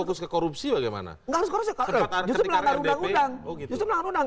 justru melanggar undang undang